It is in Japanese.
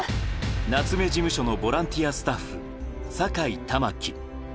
夏目事務所のボランティアスタッフ、坂居環。